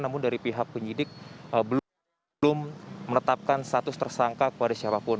namun dari pihak penyidik belum menetapkan status tersangka kepada siapapun